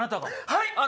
はい！